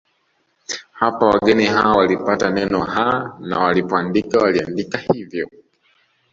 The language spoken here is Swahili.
Hapo wageni hao walipata neno Ha na walipoandika waliaandika hivyo